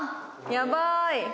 やばい！